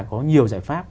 có nhiều giải pháp